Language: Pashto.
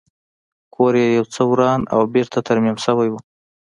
کور یې یو څه وران او بېرته ترمیم شوی و